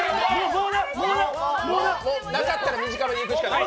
なかったら短めにいくしかない。